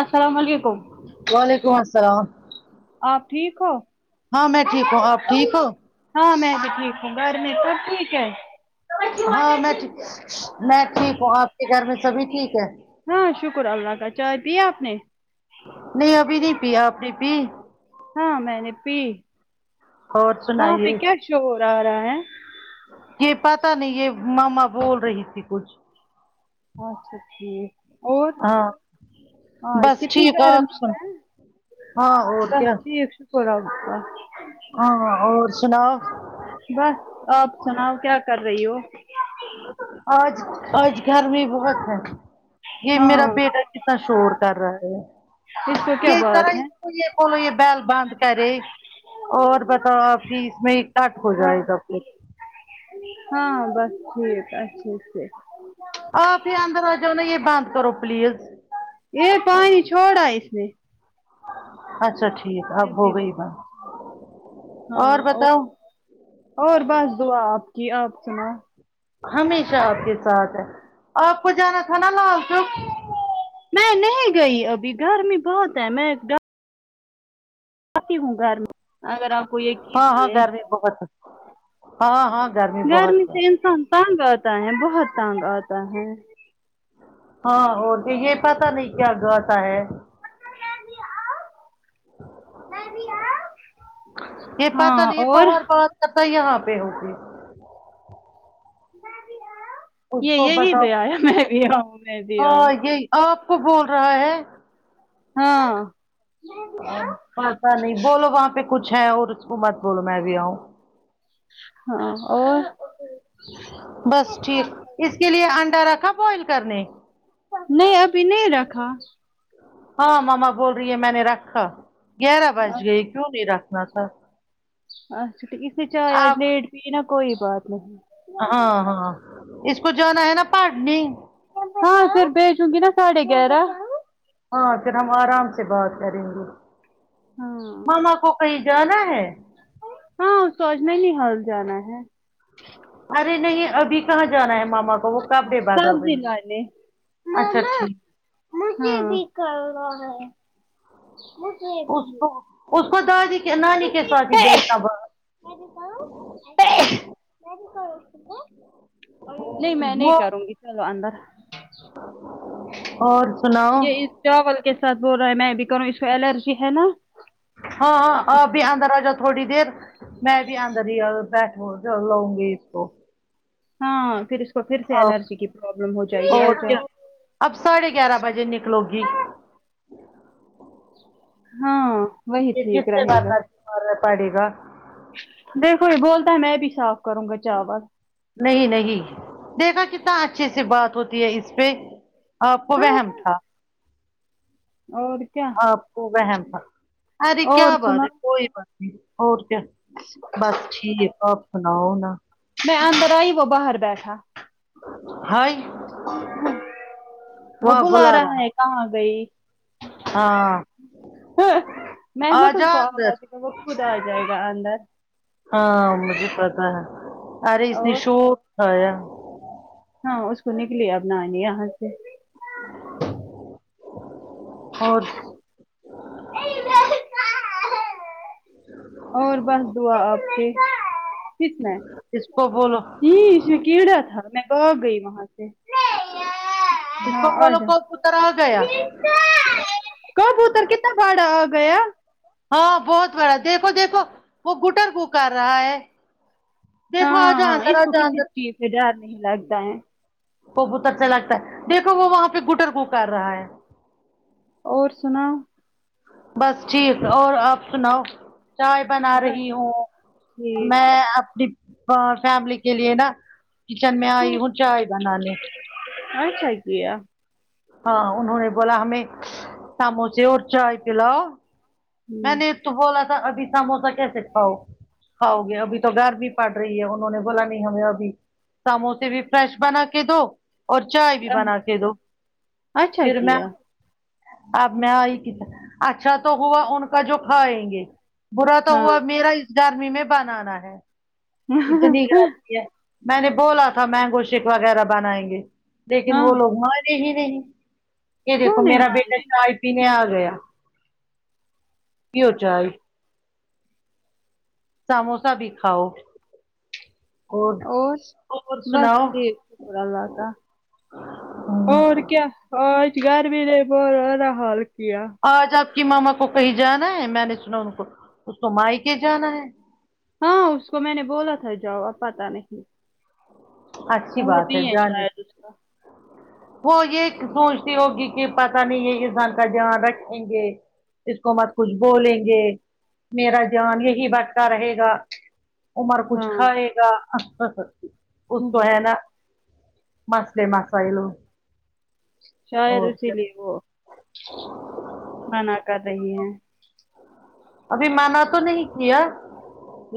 اسلام علیکم وعلیکم السلام آپ ٹھیک ہو ہاں میں ٹھیک ہوں آپ ٹھیک ہو ہاں میں بھی ٹھیک ہوں گھر میں سب ٹھیک ہے ہاں میں میں ٹھیک ہوں آپ کے گھر میں سبھی ٹھیک ہے ہاں شکر اللہ کا چائے پییا آپ نے نہیں ابھی نہیں پیا اپنی پی ہاں میں نے پی اور وہاں پہ سنائیے کیا شو ہو رہا رہا ہے یہ پتا نہیں یہ ماما بول رہی تھی کچھ اچھا ٹھیک ہاں ہاں اس بس کتنی ٹھیک گیر آپ میں سن ہے ہاں اور بس کیا ٹھیک شکسلہ ہاں اور سنا بس آپ سناؤ کیا کر رہی ہو آج آج گھرمی بھی بہت ہے یہ ہاں میرا بیٹا کتنا شور کر رہا ہے اس کو کیا یہ بات طرح ہے کولو یہ بیل بند کرے اور بس ہاں ٹھیک میں آپ کی اس میں کٹ ہو جائے گا ہاں بس ٹھیک اچھے سے آ پھر اندر آجا نا یہ بند کرو پلیز یہ پانی چھوڑا اس نے اچھا ٹھیک ہے اب یہ ہو بھی گئی بات ہاں اور اور بس دعا آپ کی آپ سنا ہمیشہ آپ کے ساتھ ہے آپ کو جانا تھا نا لال چوک میں نہیں گئی ابھی گھرمی بہت ہے میں سی ہوں گھر میں اگر آپ کو ایک ہاں ہاں گرمی بہت ہاں ہاں گرمی بہت ہے سے انسان تانگ آتا ہے بہت تانگ آتا ہے ہاں اور تو یہ پتا نہیں کیا گاتا ہے یہ ہاں پات نہیں یہ اور بھور بہت یہاں پہ ہوگی اس یہ کو یہی بتاؤ دے آیا میں بھی آؤں میں بھی آؤں ہاں یہ آپ کو بول رہا ہے ہاں پتہ نہیں بولو وہاں پہ کچھ ہے اور اس کو مت بولو میں بھی آؤ ہاں اور بس ٹھیک اس کے لیے انڈا رکھا بوئل کرنے نہیں ابھی نہیں رکھا ہاں ماما بول رہی ہے میں نے رکھا گیارہ بج گئی کیوں نہیں رکھنا تھا اچھا تو اسے چاے آج آپ لیٹ بھی نا کوئی بات نہیں ہاں ہاں اس کو جانا ہے نا پہاڑنی ہاں پھر بھیچوں گی نا ساڑھے گیارہ ہاں ہاں پھر ہم آرام سے بات کریں گے ماما کو کہیں جانا ہے ہاں توو اجم نہیں حال جانا ہے ارے نہیں ابھی کہاں جانا ہے ماما وہ کابے بادل گئی سبزی لانے اچھا ٹھیک ہمم مجھے بھی کرنا ہے اس کو اس کو دادی نانی کے ساتھ ہی بیٹھا بس نہیں میں نہیں وہ کروں گی چلو اندر اور سناؤ یہ اس چاول کے ساتھ بول رہا ہے میں بھی کروں اس کو الرجی ہے نا ہاں ہاں آ بی اندر آجا تھوڑی دیر میں بھی آندر ہی بیٹھ لوں گی اس کو ہاں پھر تو پھر سے آپ الرجی کی پرابلم ہو جائے اور گی کیا اب ساڑھے گیارہ بجے نکلو گی ہاں وہی یہ کس ٹھیک سے رہے گا کرنا مار پڑے گا دیکھو یہ بولتا میں بھی صاف کروں گا چاول نہیں نہیں دیکھا کتنا اچھے سے بات ہوتی ہے اس پہ آپ کو ہاں وہم تھا اور کیا سب کو وہم تھا ارے کیا اور بات سنا ہے کوئی بات نہیں اور کیا بس ٹھیک آپ سناؤ نا میں اندر آئی وہ باہر بیٹھا ہائی وہ بلا رہا ہے کہاں گئی ہاں ہا میں نہ آ تجھ جا کو اندر آواز دوںگا وہ خود آ جائے گا اندر ہاں ں مجھے پتا ہے ارے اس نے اور شور آٹھایا ہاں اس کو نکلی اب نانی یہاں سے اور اور بس دعا آپ کی کتنا ہے اس کو بولو جی یہش کیڑا تھا میں بھاگ گئی وہاں سے [unintelligible] اس ہاں کو بولو اجاو کبوتر آ گیا کبوتر کتنا بڑا ہو گیا ہاں بہت بڑا دیکھو دیکھو وہ غٹرغن کر رہا ہے دیکھو آ جاؤ ہاں اندر اس آ کو جاؤ کسی اندر چیز سے ڈر نہیں لگتا ہے وہ بہت اچھا لگتا ہے دیکھو وہ وہاں پہ غٹر غن کر رہا ہے اور سناو بس ٹھیک اور آپ سناؤ چائے بنا بس رہی ہوں ٹھیک میں اپنی فہ فیملی کے لیے نا کچن میں آئی ہوں چائے بنانے اچھا کیا ہاں انہوں نے بولا ہمیں ساموسے اور چائے پلاؤ میں نے تو بولا تھا ابھی سموسا کیسے کھاؤ کھاؤ گے ابھی تو گرمی پڑ رہی ہے انہوں نے بولا نہیں ہمیں ابھی سموسے بھی فریش بنا کے دو اور چائے بھی بنا کے دو اچھا پھر میں کیا اب میں آئی کچن اچھا تو ہوا ان کا جو کھائیں گے برا تو ہاں ہوا میرا اس گرمی میں بنانا ہے اتنی گرمی ہے میں نے بولا تھا مینگو شیک وغیرہ بنائیں گے لیکن ہاں وہ لوگ مانے ہی نہیں یہ کیوں دیکھو نہیں میرا بیٹا مانے چائے پینے آ گیا پیو چاۓ سموسا بھی کھاؤ اور اور بس سناؤ ٹھیک شکر اللہ کا اور کیا آج گرمی نے بہت برا حال کیا آج آپ کی ماما کو کہیں جانا ہے میں نے سنا ان کو اس کو میکے جانا ہے ہاں اس کو میں نے بولا تھا جاو اب پتہ نہیں اچھی موڈ بات ہے نہیں جانے شاید اس کا وہ یہ سوچتی ہوگی کہ پتہ نہیں یہ گھر کا دھیان رکھیں گے اس کو مت کچھ بولیں گے میرا جان یہی بٹتا رہے گا عمر کچھ ہاں کھائے گا ا اہ اس ہوں، کو ہے نا مسئلے مسائل شاید اور اسی کیا مانا کر رہی ہے ابھی مانا تو نہیں کیا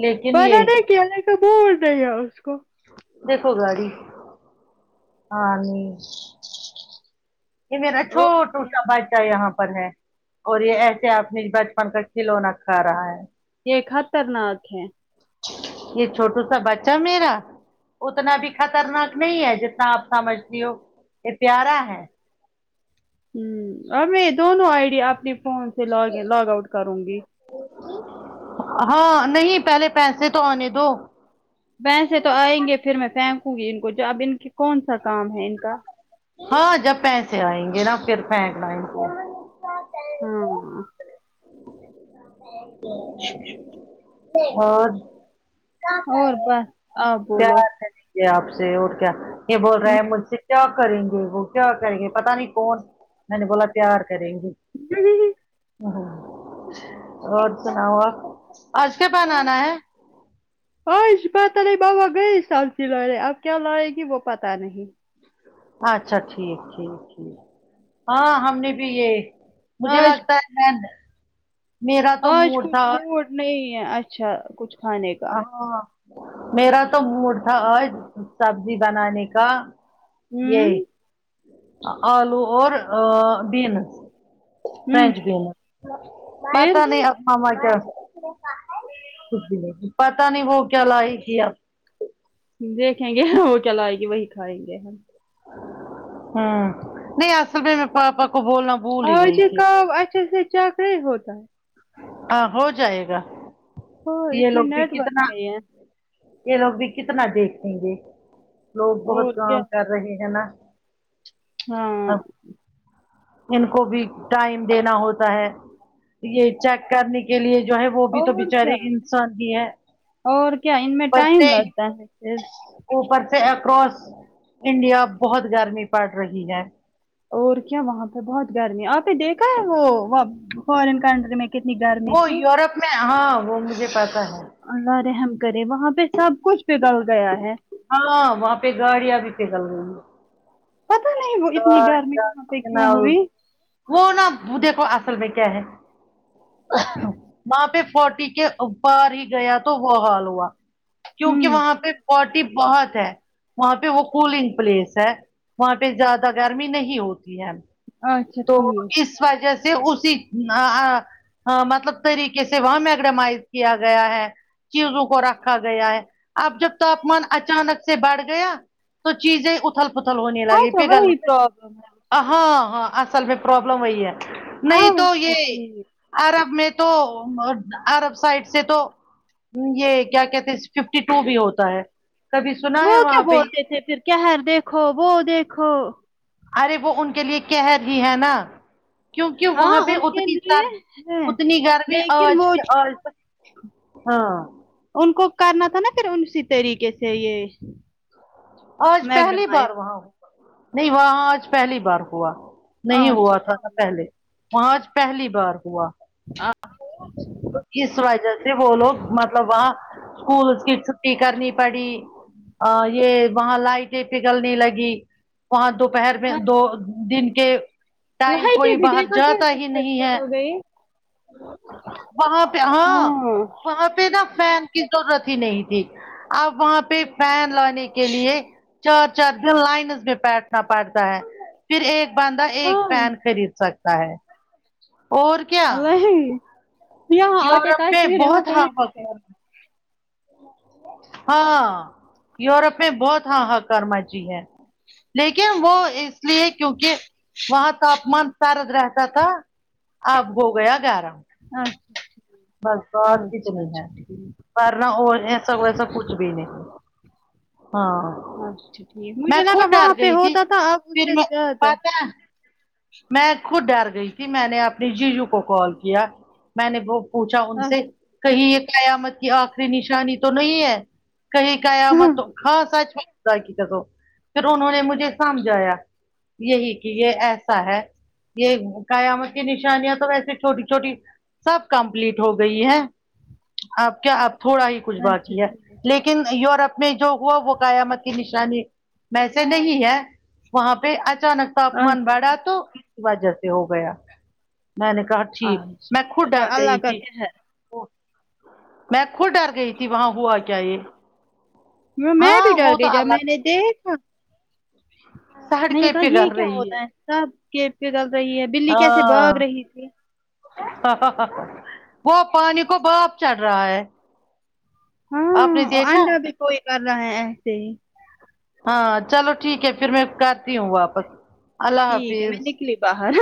لیکن یہ [unintelligible] دیکھو گاڑی ہاں نہیں یہ میرا اور چھوٹو سنا کا بچھہ یہاں پر ہے اور یہ ایسے آپنی بچپن سے کھلونا کھا رہا ہے یہ خطرناک ہے یہ چھوٹو سا بچھہ میرا اتنا بھی خطرناک نہیں ہے جتنا آپ سمجھتی ہو یہ پیارا ہے اب میں دونوں آئی ڈی اپنی فون سے لوگ ان لوگ آؤٹ کروں گی ہاں نہیں پہلے پیسے تو آنے دو ویسے تو آئیں گے پھر میں پھینکوں گی ان کو جو اب ان کے کون سا کام ہے ان کا ہاں جب پیسے آئیں گے نا پھر پھینکنا انکو ہاں اور اور بس آپ بولو پیار کریں آپ سے اور کیا یہ بول رہے ہیں مجھ سے کیا کریں گے وہ کیا کریں گے پتا نہیں کون میں نے بولا پیار کریں گے [unintelligible] اور سناؤ آپ آج کیا بنانا ہے آج پتہ نہیں بابا گئے سبزی لانے اب کیا لائے گی وہ پتا نہیں اچھا ٹھیک ٹھیک ٹھیک ہاں ہم نے بھی یہ مجھے آج لگتا ہے میرا تو آج موڈ کچھ تھا آج- موڈ نہیں ہے اچھا کچھ کھانے کا ہاں میرا تو موڈ تھا آج سبزی بنانے کا ہوں یہی آلو اور بین ہوں فرنچ بین پھر پتا نہیں ہاں مگر پتا نہیں وہ کیا لائے کی آب دیکھیں گے وہ کیا لیگی وہی کھائیں گے ہم ہممم نہیں اصل میں پاپا کو بولنا بھول ہی اج گئی تھی کا اچھے سے چک نہیں ہوتا ہاں ہو جائے گا اور اس یہ میں لوگ بھی نیٹ ورک کتنا نہیں ہے یہ لوگ بھی کتنا دیکھیں گے لوگ اور بہت کیا کام کر رہے ہے نا ہاں اب ان کو بھی ٹائم دینا ہوتا ہے یہ چیک کرنے کی کے لیے جو ہے وہ بھی تو اور کیا بچارے انسان ہی ہے اور کیا ان میں اوپر ٹائم سے لگتا ہے پھر اوپر سے اکراس انڈیا بہت گرمی پڑ رہی ہے اور کیا وہاں پہ بہت گرمی آپ نے دیکھا ہے وہ فارن کنٹری میں کتنی گرمی وہ تھی یوروپ میں ہاں وہ مجھے پتا ہے اللہ رحم کرے وہاں پہ سب کچھ پگل گیا ہے ہاں وہاں پہ گاڑیاں بھی پگل گئیں گے پتا نہیں وہ اتنی اور گرمی کیا وہاں پہ کیوں سناؤ ہوئی وہ نہ دیکھو اصل میں کیا ہے وہاں پہ فوٹی کے ا پار ہی گیا تو وہ حال ہوا کیونکہ ہوں وہاں پہ پارٹی بہت ہے وہاں پہ وہ کولنگ پلیس ہے وہاں پہ زیادہ گرمی نہیں ہوتی ہے اچھا تو ٹھیک اس وجہ سے اسی ہاں مطلب طریقے سے وہاں میگڈمائز کیا گیا ہے چیزوں کو رکھا گیا ہے اب جب تاپمان اچانک سے بیٹھ گیا تو چیزیں پتھل پتھل ہونے والی اچھا ہے گل وہی پرابلم ہے ہاں ہاں اصل میں پرابلم وہی ہے نہیں تو اچھا یہ ٹھیک عرب میں تو عرب سائڈ سے تو یہ کیا کہتے ہیں اس ففٹی ٹو بھی ہوتا ہے کبھی سنا وہ ہے کیا وہاں پہ بولتے تھے پھر کھر دیکھو وہ دیکھو ارے وہ ان کے لیے کهر ہی ہے نا کیونک ہاں وہاں پہ ان کے اتنی لیے سر ہے اتنی گرمی لیکن آج وہ آج تک ہاں ان کو کرنا تھا نا پھر اسی طریقے سے یہ آج پہلی میگڈمائز بار وہاں نھی وہان آج پہلی بار ہوا نہیں ہوا تھا اچھا نہ پہلے وہاں آج پہلی بار ہوا [unintelligible] تو اس وجہ سے وہ لوگ مطلب وہاں اسکولس کی چھٹی کرنی پڑی یہ وہاں لائٹیں پگلنے لگی وہاں دوپہر میں دو دن کے ٹائم لائٹیں کوئی بھی باہر دیکھا جاتا ہی کیسے نہیں ہے پگل گئی وہاں پہ ہاں وہاں پہ نا فین کی ضرورت ہی نہیں تھی اب وہاں پہ فین لانے کے لیے چار چار دن لائنز میں بیٹھنا پڑتا ہے پھر ایک بندہ ایک ہائے پین خرید سکتا ہے اور کیا وہی یہاں آتے یورپ میں کاشمیر یہاں بہت پے ہاں ہاں یوروپ میں بہت ہاں ہاں کار مچی ہے لیکن وہ اس لیے کیونکہ وہاں تاپمان سارد رہتا تھا اب ہو گیا گیارہ ہاں بس بات اتنی ہے ورنا اور ایسا کو ایسا کچھ بھی نہیں ہاں اچھا ٹھیک میں مجھے لگا خود ڈر وہاں پہ گئی تھی ہوتا تھا اب اس پھر سے میں زیادہ پتا میں خود ڈر گئی تھی میں نے اپنی جیجو کو کال کیا میں نے وہ پوچھا ان سے اچھا کہیں یہ قیامت کی آخری نشانی تو نہیں ہے کہیں ہاں، قیامت تو ہاں سچ میں [unintelligible] پھر انہوں نے مجھے سمجھایا یہی کہ یہ ایسا ہے یہ قیامت کی نشانیاں تو ویسے چھوٹی چھوٹی سب کمپلیٹ ہو گئی ہے اب کیا اب تھوڑا ہی کچھ اچھا باقی ہے ٹھیک لیکن یورپ میں جو ہوا وہ قیامت کی نشانی میں سے نہیں ہے وہاں پہ اچانک تاپمان اچھا بڑھا تو وجہ سے ہو گیا میں نے کہا ٹھیک میں خود اچھا ڈر اللہ گئی کا تھی [unintelligible] میں کھود ڈر گئی تھی وہاں ہوا کیا یہ میں میں بھی ہاں ڈر وہ تو گئی جب میں نے اللہ دیکھا [inaudible] میں نے کہا یہ پگھل کیا رہی ہوتا ہے سب کی [unintelligible] بلی کیسے بھاگ ہاں رہی تھی وہ پانی کو باپ چڑھ رہا ہے آپ نے ہاں اور دیکھا انڈا بھی کوئی کر رہا ہے ایسے ہی ہاں چلو ٹھیک ہے پھر میں کرتی ہوں واپس اللہ ٹھیک ہے میں حافظ نکلی باہر